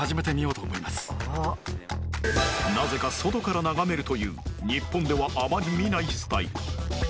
なぜか外から眺めるという日本ではあまり見ないスタイル